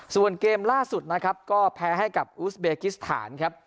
ส่วนเกมล่าสุดนะครับก็แพ้ให้กับอูสเบกิสถานครับ